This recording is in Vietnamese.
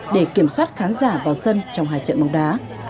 để kiểm soát khán giả vào sân trong hai trận bóng đá